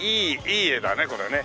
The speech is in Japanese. いい画だねこれね。